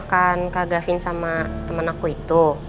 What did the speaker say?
kak gafin sama temen aku itu